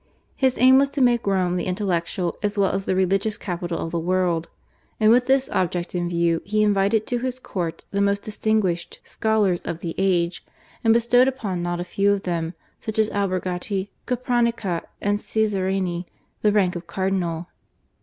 His aim was to make Rome the intellectual as well as the religious capital of the world, and with this object in view he invited to his court the most distinguished scholars of the age, and bestowed upon not a few of them, such as Albergati, Capranica, and Caesarini the rank of cardinal.